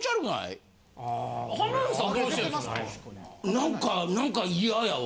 何か何か嫌やわ。